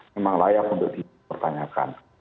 memang layak untuk dipertanyakan